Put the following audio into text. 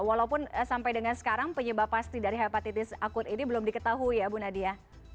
walaupun sampai dengan sekarang penyebab pasti dari hepatitis akut ini belum diketahui ya bu nadia